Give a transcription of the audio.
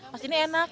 pas ini enak